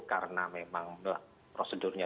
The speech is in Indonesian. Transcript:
karena memang prosedurnya